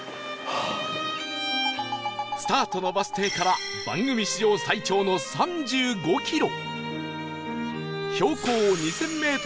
スタートのバス停から番組史上最長の３５キロ